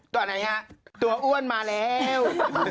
ตัวไหนฮะตัวอ้วนมาแล้ว